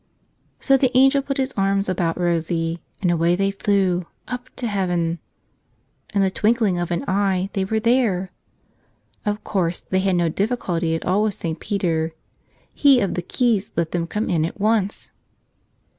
So the angel put his arms about Rosie, and away they flew — up to heaven. In the twinkling of an eye they were there. Of course, they had no difficulty at all with St. Peter; he of the keys let them come in at once.